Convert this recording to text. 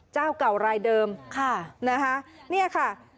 เจ้าเก่ารายเดิมค่ะนะคะเนี่ยค่ะ